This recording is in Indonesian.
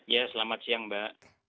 ya selamat siang mbak